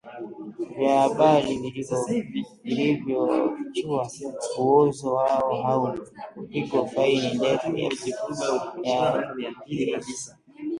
vya habari vilivyofichua uozo wao au kupigwa faini ndefu ya kufilisi